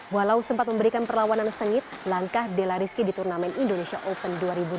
walau sempat memberikan perlawanan sengit langkah della rizky di turnamen indonesia open dua ribu dua puluh